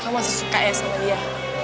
kamu masih suka ya sama dia